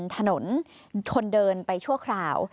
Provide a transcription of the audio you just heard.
ถนนคนเดินไปชั่วคราว